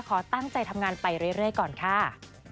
ขอตั้งใจทำงานไปเรื่อยก่อนค่ะ